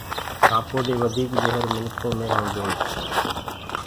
سآنٚپو دي وڌيڪ جهر منکو مي هونٚدوئي